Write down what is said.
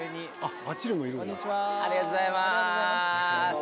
ありがとうございます。